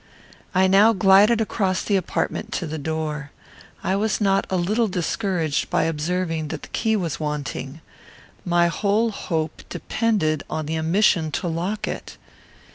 I now glided across the apartment to the door. I was not a little discouraged by observing that the key was wanting. My whole hope depended on the omission to lock it.